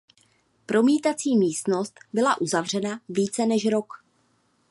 Promítací místnost byla uzavřena více než rok.